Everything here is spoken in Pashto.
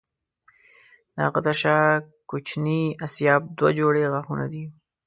د هغه تر شا کوچني آسیاب دوه جوړې غاښونه دي.